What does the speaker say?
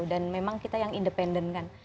dan memang kita yang independen kan